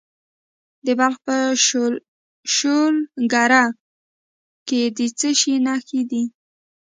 د بلخ په شولګره کې د څه شي نښې دي؟